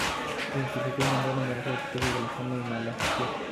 Identificó y nombró numerosas especies de la flora de Malasia.